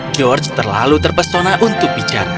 george terlalu terpesona untuk bicara